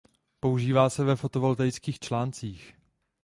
Používá se ve "fotovoltaických článcích".